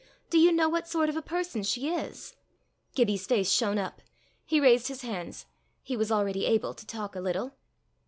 Do you know what sort of a person she is?" Gibbie's face shone up. He raised his hands. He was already able to talk a little.